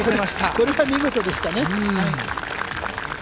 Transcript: これは見事でしたね。